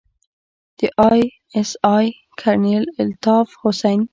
د آى اس آى کرنيل الطاف حسين.